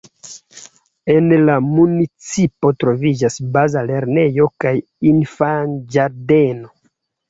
En la municipo troviĝas Baza lernejo kaj Infanĝardeno.